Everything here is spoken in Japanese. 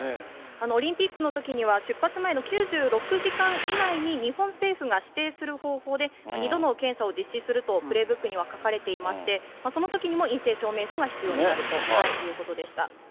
オリンピックのときには、出発前の９６時間以内に、日本政府が指定する方法で、２度の検査を実施するとプレーブックには書かれていまして、そのときにも陰性証明書が必要になるということでした。